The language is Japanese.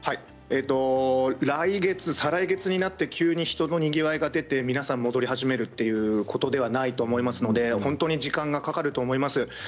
来月、再来月になって急に人のにぎわいが出て皆さん戻り始めるということではないと思いますので本当に時間がかかると思います。